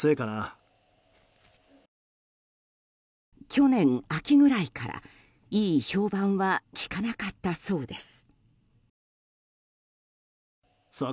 去年秋ぐらいから、いい評判は聞かなかったそうです。